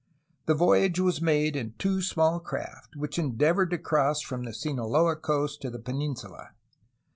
The voyage was made in two small craft, which endeavored to cross from the Sinaloa coast to the peninsula.